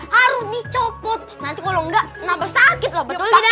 harus dicobot nanti kalau nggak kenapa sakit interval